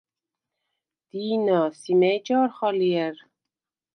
დი̄ნა, სი მა̈ჲ ჯა̄რხ ალჲა̈რ?